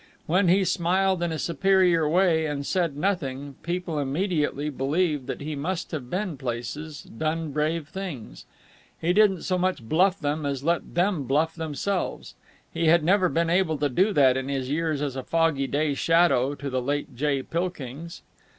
When he smiled in a superior way and said nothing, people immediately believed that he must have been places, done brave things. He didn't so much bluff them as let them bluff themselves.... He had never been able to do that in his years as a foggy day shadow to the late J. Pilkings.